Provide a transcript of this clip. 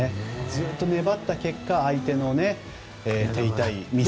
ずっと粘った結果相手の手痛いミスで。